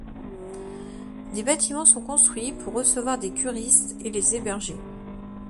Des bâtiments sont construits pour recevoir des curistes et les héberger.